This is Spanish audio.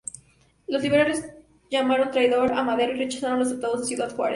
Los liberales llamaron traidor a Madero y rechazaron los Tratados de Ciudad Juárez.